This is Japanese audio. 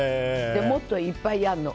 もっといっぱいあるの。